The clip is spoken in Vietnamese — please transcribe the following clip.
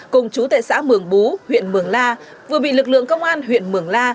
cùng chú tệ xã mường bú huyện mường la vừa bị lực lượng công an huyện mường la